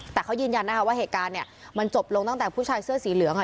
แต่เขายืนยันนะคะว่าเหตุการณ์มันจบลงตั้งแต่ผู้ชายเสื้อสีเหลือง